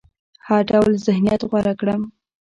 هر ډول ذهنيت غوره کړم.